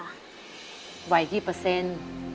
อารัทำทางแหลม